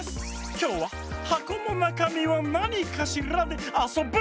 きょうは「はこのなかみはなにかしら？」であそぶの！